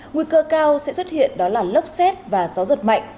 nguy cơ cao sẽ xuất hiện đó là lốc xét và gió giật mạnh